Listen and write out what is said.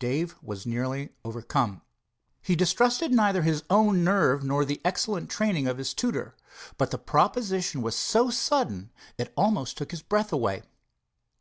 Dave was nearly overcome. He distrusted neither his own nerve nor the excellent training of his tutor, but the proposition was so sudden it almost took his breath away.